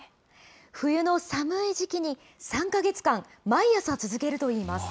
冬の寒い時期に３か月間、毎朝続けるといいます。